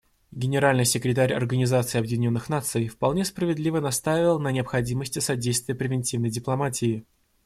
Генеральный секретарь Организации Объединенных Наций вполне справедливо настаивал на необходимости содействия превентивной дипломатии.